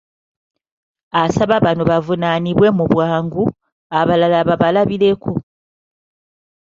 Asaba bano bavunaanibwe mu bwangu, abalala babalabireko.